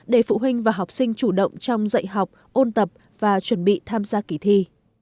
để phụ huynh và học sinh chủ động trong dạy học ôn tập và chuẩn bị tham gia kỳ thi